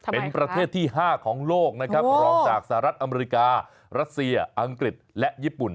เป็นประเทศที่๕ของโลกนะครับรองจากสหรัฐอเมริการัสเซียอังกฤษและญี่ปุ่น